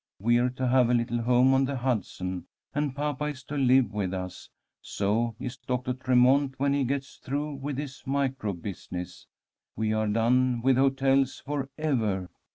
We're to have a little home on the Hudson, and papa is to live with us. So is Doctor Tremont, when he gets through with his microbe business. We are done with hotels for ever.